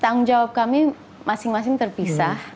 tanggung jawab kami masing masing terpisah